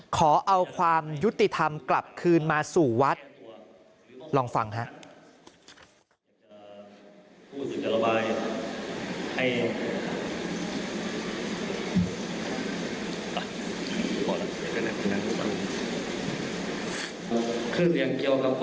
ขอเอาความยุติธรรมกลับคืนมาสู่วัดลองฟังฮะ